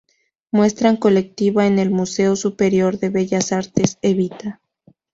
Muestra colectiva en el Museo Superior de Bellas Artes Evita.